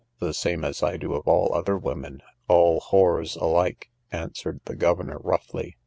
The same as I do of all other women, all whores alike, answered the governor roughly.